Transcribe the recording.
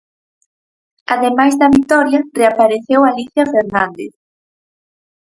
Ademais da vitoria, reapareceu Alicia Fernández.